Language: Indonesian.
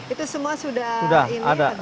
itu semua sudah ada